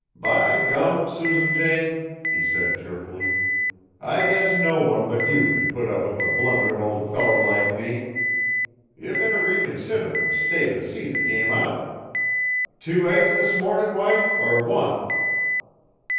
"By gum! Susan Jane," he said cheerily, "I guess no one but you could put up with a blunderin' old feller like me. Ye better reconsider an' stay t' see the game out. Two eggs, this mornin', wife, or one?"